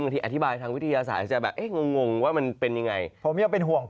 บางทีอธิบายทางวิทยาศาสตร์จะแบบเอ๊ะงงว่ามันเป็นอย่างไร